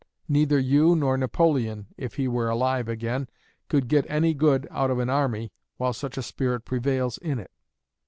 Neither you nor Napoleon, if he were alive again, could get any good out of an army while such a spirit prevails in it.